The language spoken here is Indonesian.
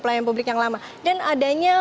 pelayanan publik yang lama dan adanya